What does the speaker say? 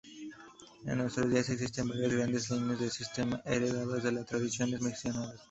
En nuestros días existen varias grandes líneas de Systema, herederas de las tradiciones mencionadas.